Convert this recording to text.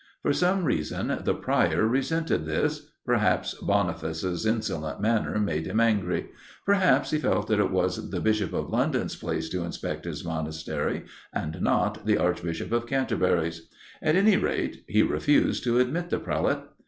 For some reason the Prior resented this perhaps Boniface's insolent manner made him angry; perhaps he felt that it was the Bishop of London's place to inspect his monastery, and not the Archbishop of Canterbury's. At any rate, he refused to admit the Prelate.